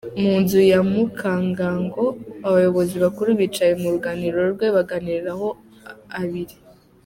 Mu nzu ya Mukangango abayobozi bakuru bicaye mu ruganiriro rwe baganiraho abiri….